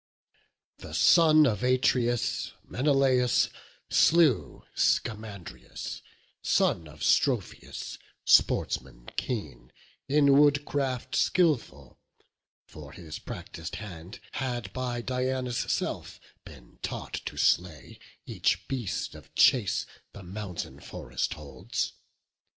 The son of Atreus, Menelaus, slew Scamandrius, son of Strophius, sportsman keen, In woodcraft skilful; for his practis'd hand Had by Diana's self been taught to slay Each beast of chase the mountain forest holds.